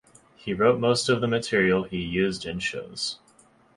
He wrote most of the material he used in shows.